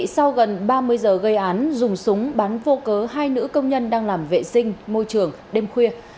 sau gần ba mươi giờ gây án dùng súng bắn vô cớ hai nữ công nhân đang làm vệ sinh môi trường đêm khuya